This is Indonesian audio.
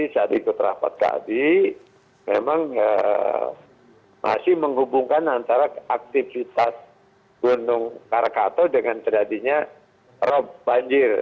saat ikut rapat tadi memang masih menghubungkan antara aktivitas gunung krakato dengan terjadinya rob banjir